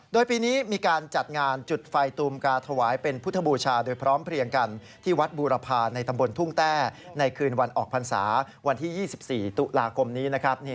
โดยปีนี้มีการจัดงานจุดไฟตูมกาถวายเป็นพุทธบูชาโดยพร้อมเพลียงกันที่วัดบูรพาในตำบลทุ่งแต้ในคืนวันออกพรรษาวันที่๒๔ตุลาคมนี้นะครับ